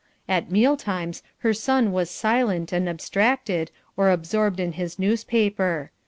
At meal times her son was silent and abstracted or absorbed in his newspaper.